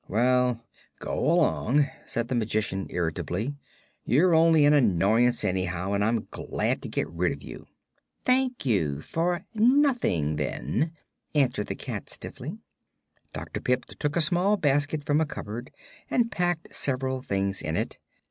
"Well, go along," said the Magician, irritably. "You're only an annoyance, anyhow, and I'm glad to get rid of you." "Thank you for nothing, then," answered the cat, stiffly. Dr. Pipt took a small basket from a cupboard and packed several things in it.